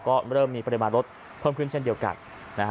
ก็เริ่มมีปริมาณรถเพิ่มขึ้นเช่นเดียวกันนะฮะ